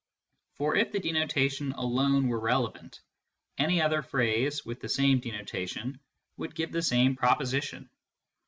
For if the denotation alone were relevant, any other phrase with the same denotation would give the same proposition.